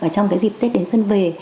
trong cái dịp tết đến xuân về